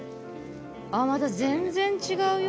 あっまた全然違うよ。